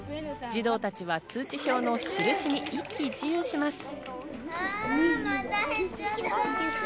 児童たちは通知表のしるしに一喜一憂します。